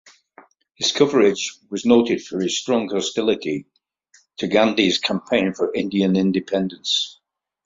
His coverage was noted for his strong hostility to Gandhi's campaign for Indian Independence.